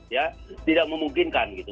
ya tidak memungkinkan gitu